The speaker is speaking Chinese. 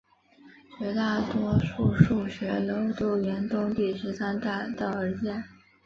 绝大多数教学楼都沿东第十三大道而建。